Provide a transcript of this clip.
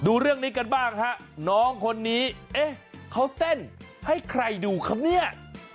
ดูเรื่องนี้กันบ้างฮะน้องคนนี้เอ๊ะเขาเต้นให้ใครดูครับเนี่ย